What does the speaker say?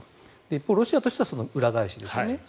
一方、ロシアとしてはその裏返しですよね。